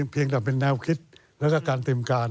เพียงแต่เป็นแนวคิดแล้วก็การเตรียมการ